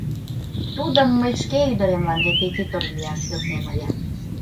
— Тудым мый шке ӱдыремлан репетитор лияш йоднем ыле.